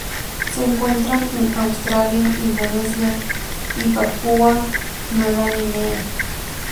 Se encuentran en Australia, Indonesia y Papúa Nueva Guinea.